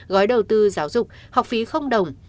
gói đầu tư giáo dục học phí không đồng